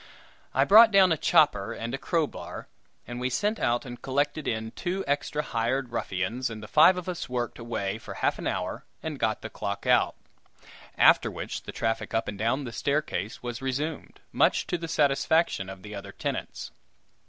I brought down a chopper and a crowbar, and we sent out and collected in two extra hired ruffians and the five of us worked away for half an hour and got the clock out; after which the traffic up and down the staircase was resumed, much to the satisfaction of the other tenants.